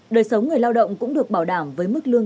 đời sống người lao động cũng được bảo đảm với mức lương